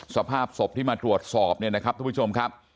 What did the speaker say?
สภาพศพที่มาตรวจสอบเนี่ยนะครับทุกผู้ชมครับ